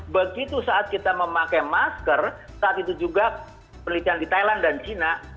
begitu saat kita memakai masker saat itu juga penelitian di thailand dan china